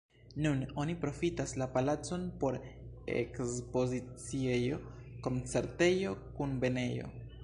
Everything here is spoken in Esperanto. Nun oni profitas la palacon por ekspoziciejo, koncertejo, kunvenejo.